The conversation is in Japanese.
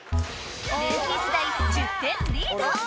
ルーキー世代１０点リード